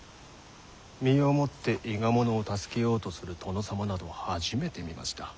身をもって伊賀者を助けようとする殿様など初めて見ました。